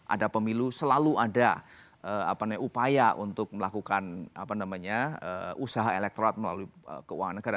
ada pemilu selalu ada upaya untuk melakukan usaha elektorat melalui keuangan negara